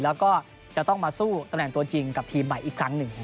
แล้วก็จะต้องมาสู้ตำแหน่งตัวจริงกับทีมใหม่อีกครั้งหนึ่ง